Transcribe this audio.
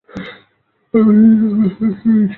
আমার দ্বিতীয় অনুমান তাহলে সঠিক ছিল।